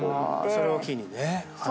それを機にね。